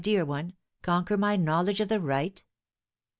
dear one conquer my knowledge of the right